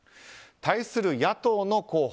対する野党の候補